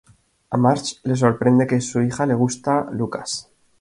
A Marge le sorprende que a su hija le gusta Lucas.